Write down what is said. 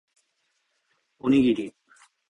おにぎり